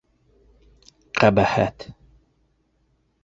Ҡәбәхәт...